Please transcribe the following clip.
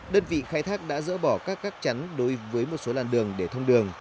đơn vị khai thác đã dỡ bỏ các gác chắn đối với một số làn đường để thông đường